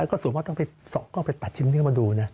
แล้วก็ส่วนมากต้องไปตัดชิ้นเนื้อมาดู